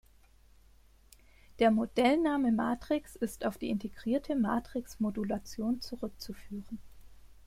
Der Modell-Name Matrix ist auf die integrierte Matrix-Modulation zurückzuführen.